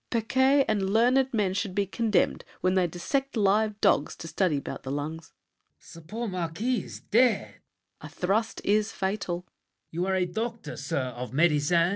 Pequet And learned men should be condemned when they Dissect live dogs to study 'bout the lungs. LAFFEMAS. The poor marquis is dead. SAVERNY. A thrust is fatal. LAFFEMAS. You are a doctor, sir, of medicine?